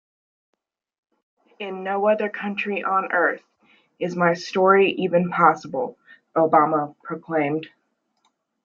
"In no other country on Earth is my story even possible," Obama proclaimed.